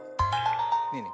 ねえねえ